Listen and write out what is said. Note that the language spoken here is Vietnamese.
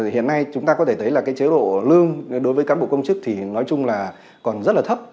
hiện nay chúng ta có thể thấy là cái chế độ lương đối với cán bộ công chức thì nói chung là còn rất là thấp